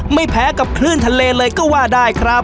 ไม่แพ้กับคลื่นทะเลเลยก็ว่าได้ครับ